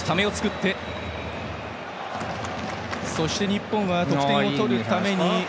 日本は得点を取るために。